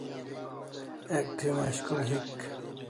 Ek thi mashkul hik